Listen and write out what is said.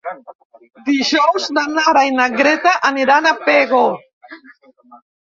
Dijous na Nara i na Greta aniran a Pego.